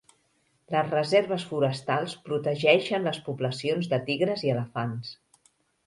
Les reserves forestals protegeixen les poblacions de tigres i elefants.